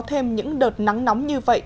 thêm những đợt nắng nóng như vậy